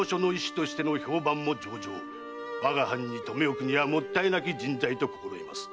我が藩に留め置くにはもったいなき人材と心得ます。